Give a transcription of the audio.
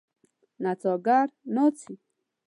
نڅاګر ناڅي.